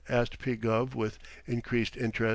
asked P. Gubb with increased interest.